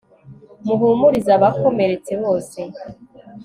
muhumurize abakomeretse bose